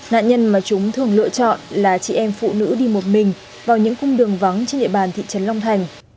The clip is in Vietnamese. nạn nhân mà chúng thường lựa chọn là chị em phụ nữ đi một mình vào những cung đường vắng trên địa bàn thị trấn long thành